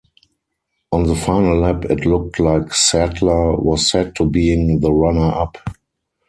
On the final lap it looked like Sadler was set to being the runner-up.